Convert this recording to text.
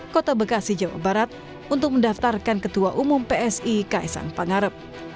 kota bekasi jawa barat untuk mendaftarkan ketua umum psi kaisang pangarep